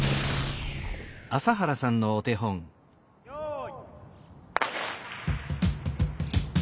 ・よい。